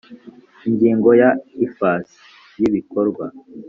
Ingingo ya Ifasi y ibikorwa